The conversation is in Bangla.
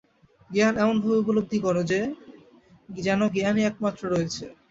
জ্ঞান এমনভাবে উপলব্ধি কর যে, যেন জ্ঞানই একমাত্র রয়েছে।